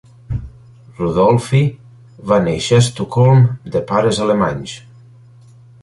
Rudolphi va néixer a Estocolm de pares alemanys.